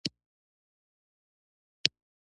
تر دې مخکې د عیاش سوداګر جان ګیټس په ملتیا کار شوی و